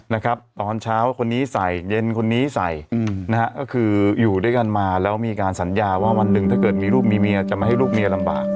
นะครับตอนเช้าคนนี้ใส่เย็นคนนี้ใส่อืมนะฮะก็คืออยู่ด้วยกันมาแล้วมีการสัญญาว่าวันหนึ่งถ้าเกิดมีลูกมีเมียจะมาให้ลูกเมียลำบาก